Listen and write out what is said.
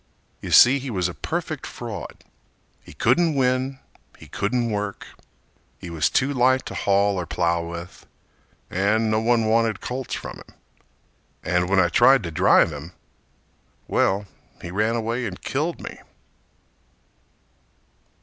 You see he was a perfect fraud: He couldn't win, he couldn't work, He was too light to haul or plow with, And no one wanted colts from him. And when I tried to drive him—well, He ran away and killed me.